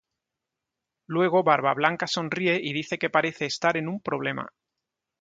Luego Barbablanca sonríe y dice que parece estar en un problema.